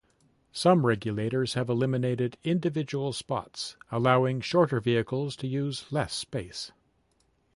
Some regulators have eliminated individual spots allowing shorter vehicles to use less space.